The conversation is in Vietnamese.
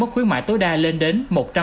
khuyến mại tối đa lên đến một trăm linh